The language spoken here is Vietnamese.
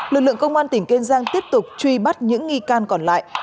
lực lượng công an tỉnh kiên giang tiếp tục truy bắt những nghi can còn lại